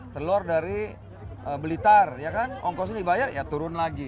telur dari blitar ya kan ongkosnya dibayar ya turun lagi